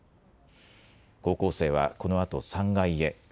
高校生はこのあと３階へ。